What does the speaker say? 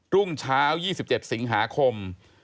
รุ่งเช้า๒๗สิงหาคม